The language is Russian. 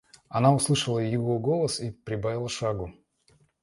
Она услышала его голос и прибавила шагу.